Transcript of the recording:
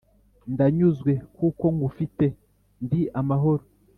ndanyuzwe kuko ngufite ndi amahoro